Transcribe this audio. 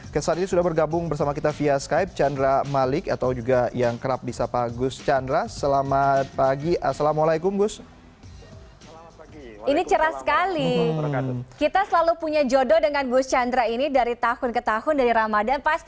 ke saat ini sudah bergabung bersama kita via skype chandra malik atau juga yang kerap disapa gus chandra selamat pagi assalamualaikum gus